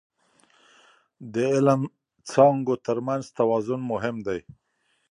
د علم څانګو ترمنځ توازن مهم دی.